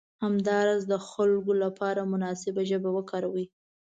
همداراز د خلکو لپاره مناسبه ژبه وکاروئ.